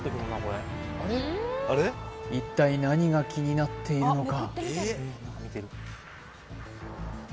一体何が気になっているのか？